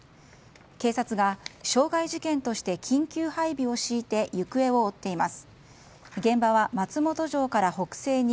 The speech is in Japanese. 警察が傷害事件として緊急配備を敷いて行方を追っています。